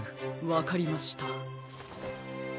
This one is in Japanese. わかりました。